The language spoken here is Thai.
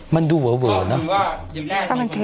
มันดูเหว๋วเนอะ